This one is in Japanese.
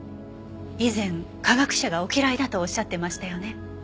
以前科学者がお嫌いだとおっしゃってましたよね。